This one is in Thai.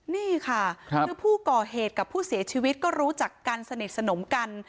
นี่ค่ะคือผู้ก่อเหตุกับผู้เสียชีวิตก็รู้จักกันสนิทสนมกัน